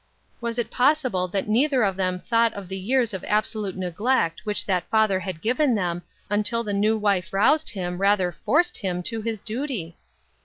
Was it possible that neither of them thought of the years of abso lute neglect which that father had given them, until the new wife roused him, rather forced him, to his duty